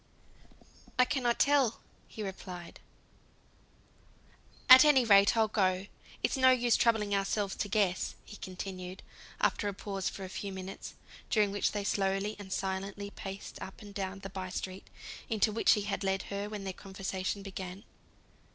"I cannot tell," replied he. "At any rate I'll go. It's no use troubling ourselves to guess," he continued, after a pause of a few minutes, during which they slowly and silently paced up and down the by street, into which he had led her when their conversation began.